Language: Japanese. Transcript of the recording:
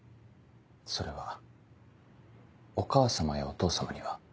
それはお母様やお父様には？